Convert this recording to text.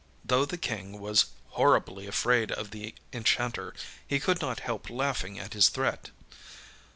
â Though the King was horribly afraid of the enchanter, he could not help laughing at this threat.